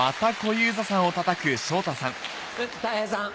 たい平さん。